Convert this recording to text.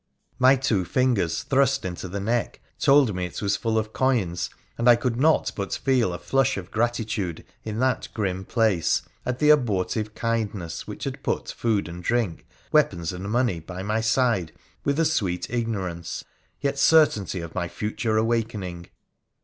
My two fingers thrust into the neck told me it was full of coins, and I could not but feel a flush of gratitude in that grim place at the abortive kindness which had put food and drink, weapons and money by my side with a sweet ignorance, yet certainty of my future awakening.